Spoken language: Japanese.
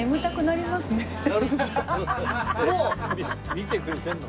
見てくれてるの？